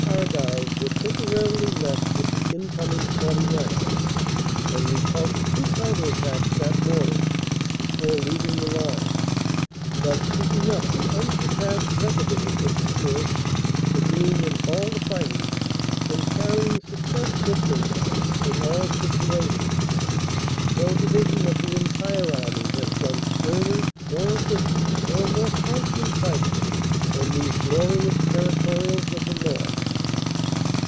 Argylls were temporarily left with the incoming 49th., and repulsed two counter attacks that morning before leaving the line, thus keeping up the unsurpassed record of the 51st. for being in all 362 CANADA S HUNDRED DAYS the fighting and carrying success with them in all situations. No division of the entire army has done sterner, more efficient, nor more constant righting than these glorious Territorials of the North."